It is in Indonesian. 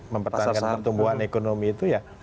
mempertahankan pertumbuhan ekonomi itu ya